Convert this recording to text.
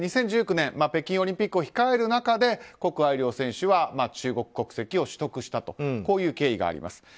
２０１９年北京オリンピックを控える中でコク・アイリョウ選手は中国国籍を取得したとこういう経緯があります。